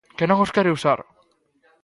¡Que non os quere usar!